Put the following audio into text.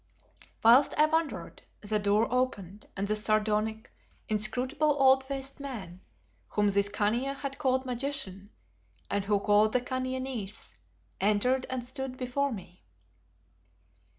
Whilst I wondered the door opened, and the sardonic, inscrutable old faced man, whom this Khania had called Magician, and who called the Khania, niece, entered and stood before me.